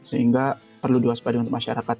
sehingga perlu luas padaan untuk masyarakat